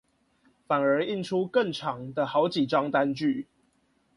反而印出更長的好幾張單據